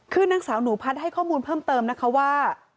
คือนางสาวหนูพัดให้ข้อมูลเพิ่มเติมนะคะว่า